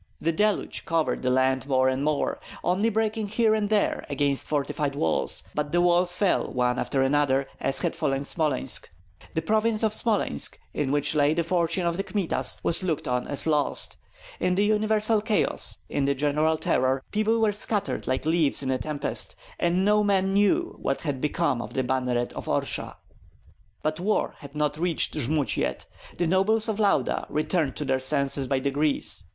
The deluge covered the land more and more, only breaking here and there against fortified walls; but the walls fell one after another, as had fallen Smolensk. The province of Smolensk, in which lay the fortune of the Kmitas, was looked on as lost. In the universal chaos, in the general terror, people were scattered like leaves in a tempest, and no man knew what had become of the banneret of Orsha. But war had not reached Jmud yet. The nobles of Lauda returned to their senses by degrees.